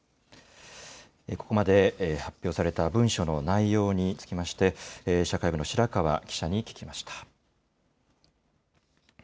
ここまで、発表された文書の内容につきまして、社会部の白川記者に聞きました。